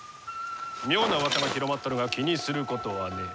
妙なうわさが広まっとるが気にすることはねえ。